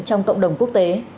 trong cộng đồng quốc tế